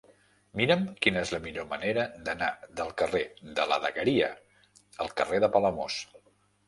Mira'm quina és la millor manera d'anar del carrer de la Dagueria al carrer de Palamós.